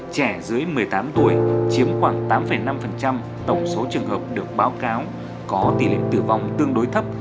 trẻ dưới một mươi tám tuổi chiếm khoảng tám năm tổng số trường hợp được báo cáo có tỷ lệ tử vong tương đối thấp